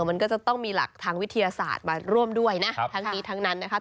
มันก็จะต้องมีหลักทางวิทยาศาสตร์มาร่วมด้วยนะทั้งนี้ทั้งนั้นนะคะ